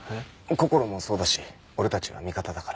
こころもそうだし俺たちは味方だから。